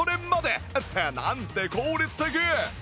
ってなんて効率的！